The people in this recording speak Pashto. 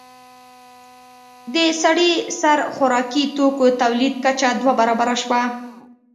د سړي سر خوراکي توکو تولید کچه دوه برابره شوه.